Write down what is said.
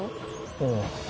うん。